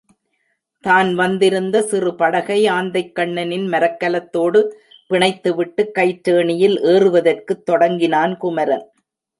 தான் வந்திருந்த சிறு படகை ஆந்தைக்கண்ணனின் மரக் கலத்தோடு பிணைத்துவிட்டு கயிற்றேணியில் ஏறுவதற்குத் தொடங்கினான் குமரன்.